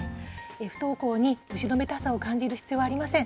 不登校に後ろめたさを感じる必要はありません。